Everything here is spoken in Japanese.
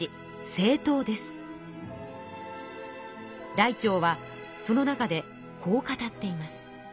らいてうはその中でこう語っています。